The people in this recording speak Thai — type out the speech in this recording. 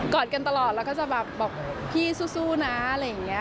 อดกันตลอดแล้วก็จะแบบบอกพี่สู้นะอะไรอย่างนี้